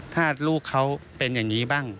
ถ้าลูกเขาเป็นอย่างนี้บ้าง